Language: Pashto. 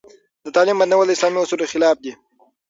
د تعليم بندول د اسلامي اصولو خلاف دي.